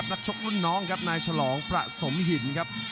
นักชกรุ่นน้องครับนายฉลองประสมหิต